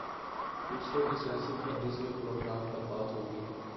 دوسروں کی سیاسی پالیسی اور پروگرام پر بات ہو گی۔